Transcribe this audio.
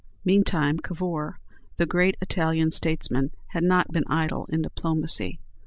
Meantime Cavour, the great Italian statesman, had not been idle in diplomacy.